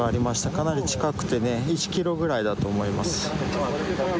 かなり近くてね１キロぐらいだと思います。